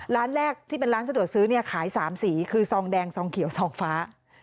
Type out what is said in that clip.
ร้านแรกที่เป็นร้านสะดวกซื้อเนี่ยขาย๓สีคือซองแดงซองเขียวซองฟ้า